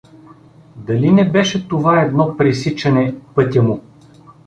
Дали не беше това едно пресичане пътя му?